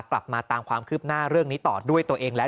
กลับมาตามความคืบหน้าเรื่องนี้ต่อด้วยตัวเองแล้ว